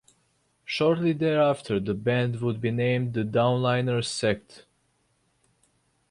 Shortly thereafter the band would be named the Downliners Sect.